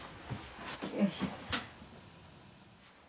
よいしょ。